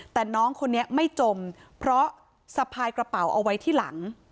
แต่น้องคนนี้ไม่จมเพราะสะพายกระเป๋าเอาไว้ที่หลัง